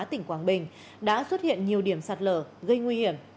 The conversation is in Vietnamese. tỉnh quảng bình đã xuất hiện nhiều điểm sạt lở gây nguy hiểm